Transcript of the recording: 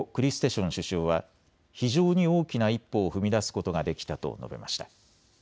ション首相は非常に大きな一歩を踏み出すことができたと述べました。